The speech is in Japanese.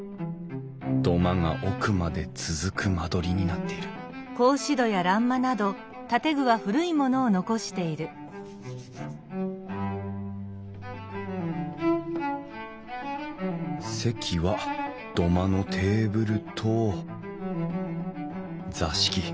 土間が奥まで続く間取りになっている席は土間のテーブルと座敷。